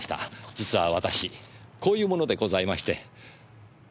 実は私こういう者でございまして。